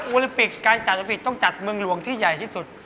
ลิมปิกการจัดโอลิปิกต้องจัดเมืองหลวงที่ใหญ่ที่สุด